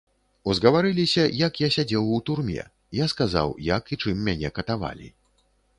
Узгаварыліся, як я сядзеў у турме, я сказаў, як і чым мяне катавалі.